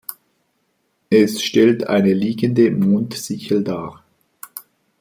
Es stellt eine liegende Mondsichel dar.